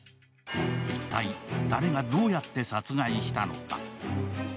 一体だれがどうやって殺害したのか。